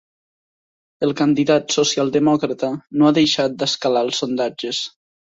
El candidat socialdemòcrata no ha deixat d’escalar als sondatges.